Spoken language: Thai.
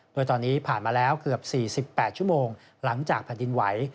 โดยตอนนี้ผ่านมาแล้วเกือบ๔๘ชั่วโมงหลังจากแผ่นดินไหว